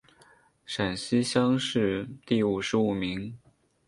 陕西乡试第五十五名。